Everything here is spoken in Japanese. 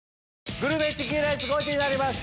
グルメチキンレースゴチになります！